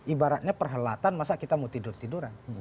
ibaratnya perhelatan masa kita mau tidur tiduran